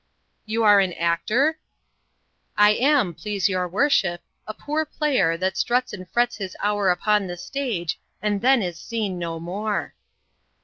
"You are an actor?" "I am, please your worship 'A poor player, That struts and frets his hour upon the stage, And then is seen no more.'"